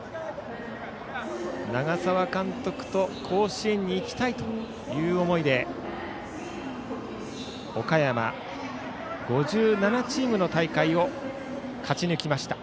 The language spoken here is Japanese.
長澤監督と甲子園に行きたいという思いで岡山、５７チームの大会を勝ち抜きました。